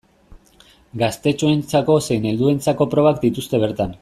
Gaztetxoentzako zein helduentzako probak dituzte bertan.